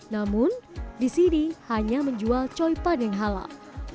namun di sini hanya menjual choy pan yang halal